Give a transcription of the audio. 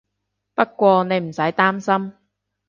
不過你唔使擔心